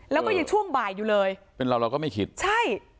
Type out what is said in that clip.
แล้วก็ยังช่วงบ่ายอยู่เลยเป็นเราเราก็ไม่คิดใช่